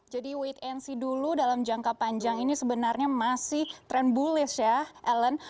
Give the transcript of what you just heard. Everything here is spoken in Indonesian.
jadi wait and see dulu dalam jangka panjang ini sebenarnya masih trend bullish ya ellen